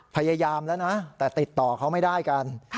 พยายามแล้วนะแต่ติดต่อเขาไม่ได้กัน